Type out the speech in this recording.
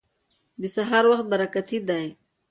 د سهار وخت برکتي دی.